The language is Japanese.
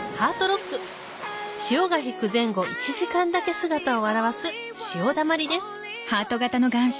ロック潮が引く前後１時間だけ姿を現す潮だまりです